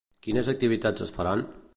Quines activitats es faran?